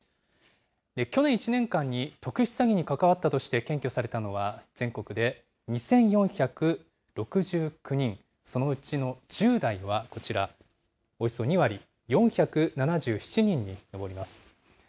去年１年間に特殊詐欺に関わったとして検挙されたのは、全国で２４６９人、そのうちの１０代はこちら、およそ２割、４７７人に上ります。